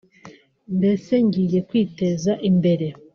mbese ngiye kwiteza imbere”